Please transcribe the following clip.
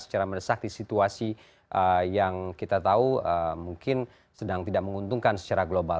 secara meresak di situasi yang kita tahu mungkin sedang tidak menguntungkan secara global